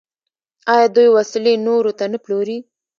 آیا دوی وسلې نورو ته نه پلوري؟